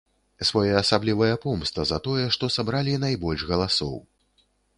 Своеасаблівая помста за тое, што сабралі найбольш галасоў.